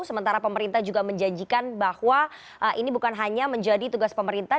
sementara pemerintah juga menjanjikan bahwa ini bukan hanya menjadi tugas pemerintah